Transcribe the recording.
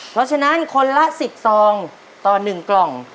เพราะฉะนั้นคนละ๑๐ซองต่อ๑กล่อง